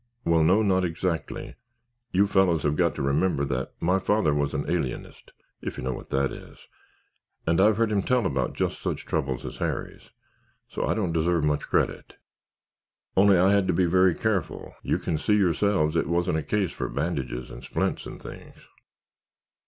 "Well, no—not exactly. You fellows have got to remember that my father was an alienist, if you know what that is, and I've heard him tell about just such troubles as Harry's. So I don't deserve much credit. Only I had to be very careful. You can see yourselves it wasn't a case for bandages and splints and things."